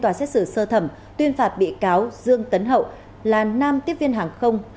tòa xét xử sơ thẩm tuyên phạt bị cáo dương tấn hậu là nam tiếp viên hàng không